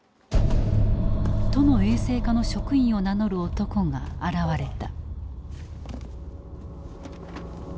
都の衛生課の職員を名乗る男が現れた。